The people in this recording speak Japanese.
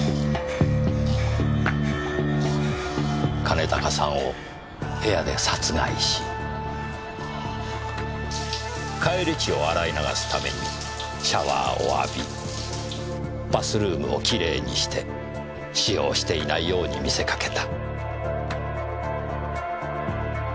兼高さんを部屋で殺害し返り血を洗い流すためにシャワーを浴びバスルームをキレイにして使用していないように見せかけた。